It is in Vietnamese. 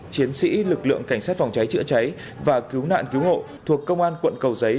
chiến sĩ lực lượng cảnh sát phòng cháy chữa cháy và cứu nạn cứu hộ thuộc công an quận cầu giấy